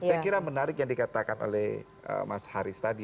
saya kira menarik yang dikatakan oleh mas haris tadi